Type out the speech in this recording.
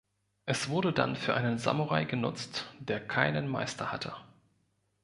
Es wurde dann für einen Samurai genutzt, der keinen Meister hatte.